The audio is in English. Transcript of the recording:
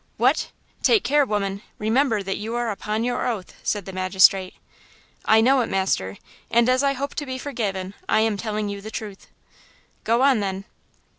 "What! Take care, woman! Remember that you are upon your oath!" said the magistrate. "I know it, master. And as I hope to be forgiven, I am telling you the truth!" "Go on, then!"